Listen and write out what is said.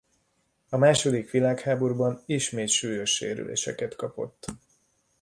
A második világháborúban ismét súlyos sérüléseket kapott.